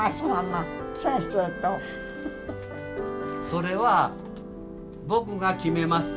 それは僕が決めます。